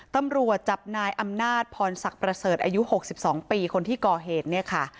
ตำรวจจับนายอำนาจพรศักดิ์ประเสริฐอายุ๖๒ปีคนที่ก่อเหตุเนี่ยค่ะ